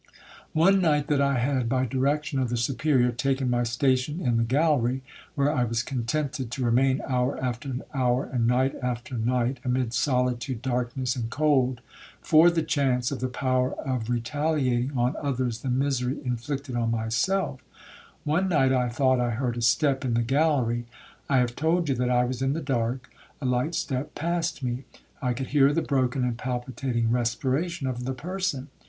One night that I had, by direction of the Superior, taken my station in the gallery, (where I was contented to remain hour after hour, and night after night, amid solitude, darkness, and cold, for the chance of the power of retaliating on others the misery inflicted on myself)—One night, I thought I heard a step in the gallery—I have told you that I was in the dark—a light step passed me. I could hear the broken and palpitating respiration of the person.